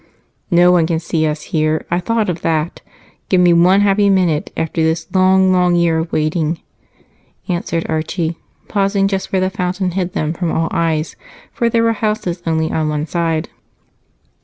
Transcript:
"No one can see us here I thought of that. Give me one happy minute, after this long, long year of waiting," answered Archie, pausing just where the fountain hid them from all eyes, for there were houses only on one side.